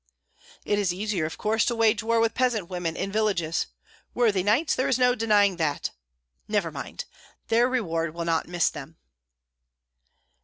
It is easier of course to wage war with peasant women in villages. Worthy knights, there is no denying that! Never mind! Their reward will not miss them."